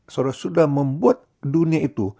saudara sudah membuat dunia itu